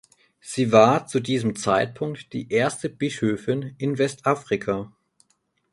Sie war zu diesem Zeitpunkt die erste Bischöfin in Westafrika.